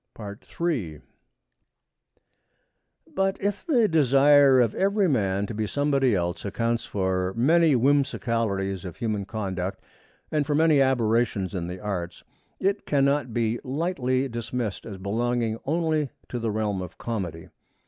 III But if the desire of every man to be somebody else accounts for many whimsicalities of human conduct and for many aberrations in the arts, it cannot be lightly dismissed as belonging only to the realm of comedy.